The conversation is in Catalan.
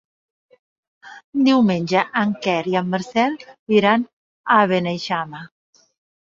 Diumenge en Quer i en Marcel iran a Beneixama.